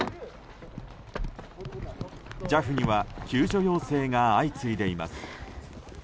ＪＡＦには救助要請が相次いでいます。